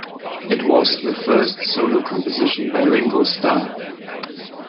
It was the first solo composition by Ringo Starr.